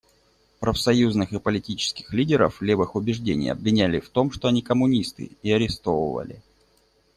Профсоюзных и политических лидеров левых убеждений обвиняли в том, что они коммунисты, и арестовывали.